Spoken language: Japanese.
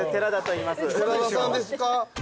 寺田さんですか。